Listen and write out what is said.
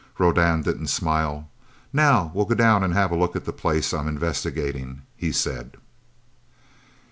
Rodan didn't smile. "Now we'll go down and have a look at the place I'm investigating," he said.